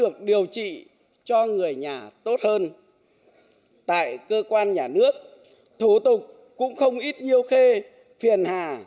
cầu trị cho người nhà tốt hơn tại cơ quan nhà nước thủ tục cũng không ít nhiều khê phiền hà